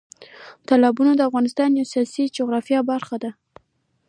تالابونه د افغانستان د سیاسي جغرافیه یوه برخه ده.